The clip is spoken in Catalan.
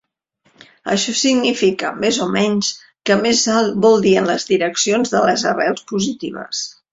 Això significa, més o menys, que "més alt" vol dir en les direccions de les arrels positives.